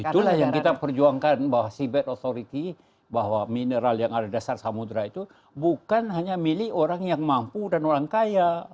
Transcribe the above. itulah yang kita perjuangkan bahwa seabed authority bahwa mineral yang ada di dasar samudera itu bukan hanya milih orang yang mampu dan orang kaya